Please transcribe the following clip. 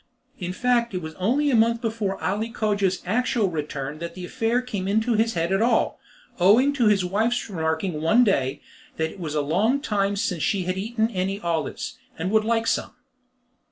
In fact, it was only a month before Ali Cogia's actual return that the affair came into his head at all, owing to his wife's remarking one day, that it was a long time since she had eaten any olives, and would like some.